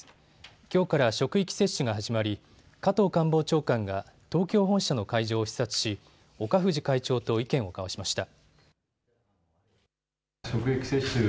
きょうから職域接種が始まり加藤官房長官が東京本社の会場を視察し岡藤会長と意見を交わしました。